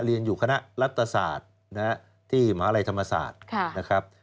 เรียนอยู่คณะรัฐศาสตร์ที่หมาลัยธรรมศาสตร์นะครับ